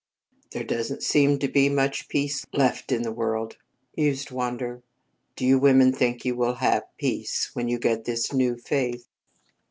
"There doesn't seem to be much peace left in the world," mused Wander. "Do you women think you will have peace when you get this new faith?"